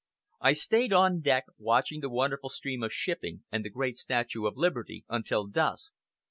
I stayed on deck, watching the wonderful stream of shipping and the great statue of Liberty until dusk.